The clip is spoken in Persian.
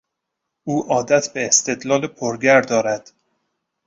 او عادت به استدلال پرگر دارد.